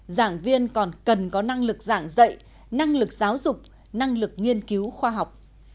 giảng viên còn cần có năng lực giảng dạy năng lực giáo dục năng lực nghiên cứu khoa học